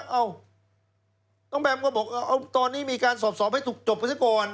เอ้าน้องแบมก็บอกเอาตอนนี้มีการสอบให้ถูกจบไปซะก่อน